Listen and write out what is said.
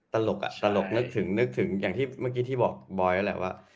ตลกอ่ะตลกนึกถึงอย่างที่เมื่อกี้ที่บอกบอยล่ะว่า